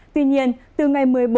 tuy nhiên từ ngày một mươi bốn